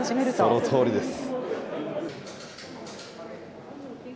そのとおりです。